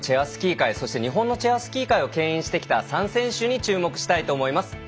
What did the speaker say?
スキー界そして日本のチェアスキー界をけん引してきた３選手に注目したいと思います。